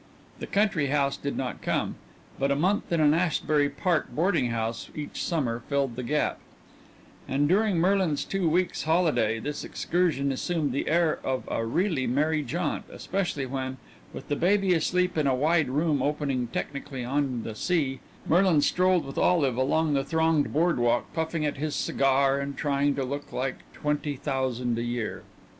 The country house did not come, but a month in an Asbury Park boarding house each summer filled the gap; and during Merlin's two weeks' holiday this excursion assumed the air of a really merry jaunt especially when, with the baby asleep in a wide room opening technically on the sea, Merlin strolled with Olive along the thronged board walk puffing at his cigar and trying to look like twenty thousand a year.